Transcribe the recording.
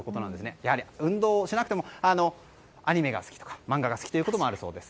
やはり運動をしなくてもアニメが好きとか、漫画が好きということもあるそうです。